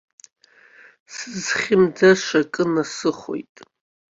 Сызхьымӡаша ак насыхоит.